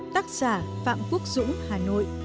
tác giả phạm quốc dũng hà nội